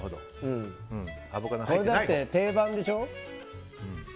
これ、だって定番でしょ？